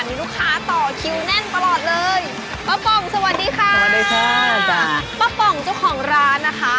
มีลูกค้าต่อคิวแน่นตลอดเลยป้าป๋องสวัสดีค่ะสวัสดีค่ะป้าป่องเจ้าของร้านนะคะ